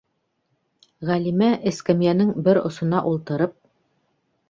Ғәлимә эскәмйәнең бер осона ултырып.